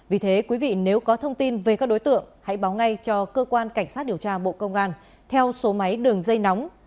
vì thế quý vị nếu có thông tin về các đối tượng hãy báo ngay cho cơ quan cảnh sát điều tra bộ công an theo số máy đường dây nóng